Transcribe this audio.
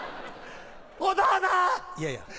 いやいや。